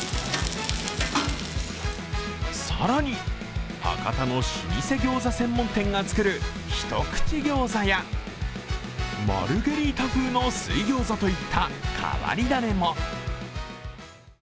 更に、博多の老舗餃子専門店が作るひとくち餃子やマルゲリータ風の水餃子といった変わり種も。